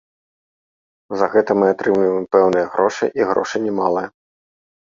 За гэта мы атрымліваем пэўныя грошы, і грошы немалыя.